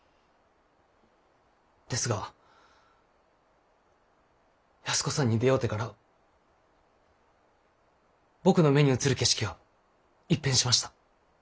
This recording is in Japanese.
ですが安子さんに出会うてから僕の目に映る景色が一変しました。